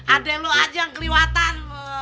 adek lu aja yang keliwatan